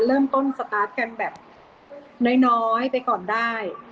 เริ่มต้นสตาร์ทกันแบบน้อยไปก่อนได้